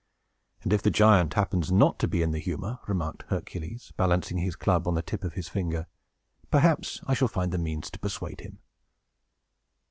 "And if the giant happens not to be in the humor," remarked Hercules, balancing his club on the tip of his finger, "perhaps I shall find means to persuade him!"